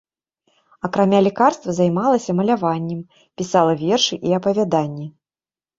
Акрамя лекарства займалася маляваннем, пісала вершы і апавяданні.